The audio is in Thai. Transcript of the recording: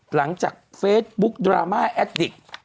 หลังจากเฟซบุ๊กดราม่าแอดดิก